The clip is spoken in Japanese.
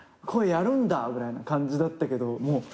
声やるんだぐらいな感じだったけど。